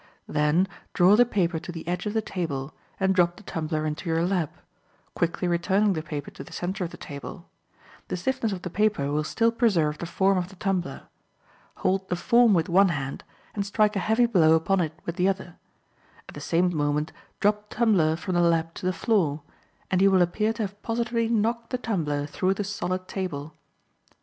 Then draw the paper to the edge of the table, and drop the tumbler into your lap—quickly returning the paper to the center of the table; the stiffness of the paper will still preserve the form of the tumbler; hold the form with one hand, and strike a heavy blow upon it with the other; at the same moment drop the tumbler from the lap to the floor; and you will appear to have positively knocked the tumbler through the solid table.